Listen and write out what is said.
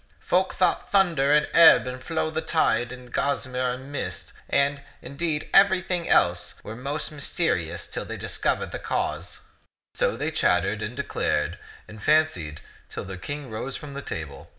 Folk thought thunder and the ebb and flow of the tide and gossamer and mist, and, in deed, everything else, were most mysterious till they discovered the cause." So they chattered and declared and fancied till the King rose from the table.